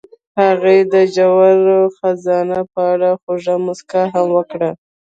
هغې د ژور خزان په اړه خوږه موسکا هم وکړه.